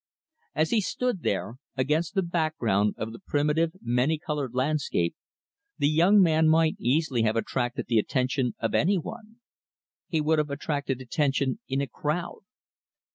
As he stood there, against the background of the primitive, many colored landscape, the young man might easily have attracted the attention of any one. He would have attracted attention in a crowd.